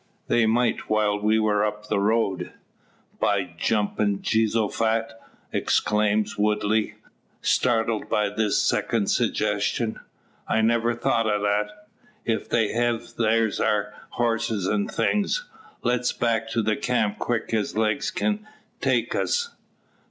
They might while we were up the road." "By the jumpin' Jeehosofat!" exclaims Woodley, startled by this second suggestion, "I never thought o' that. If they hev, thar's our horses, an' things. Let's back to camp quick as legs kin take us."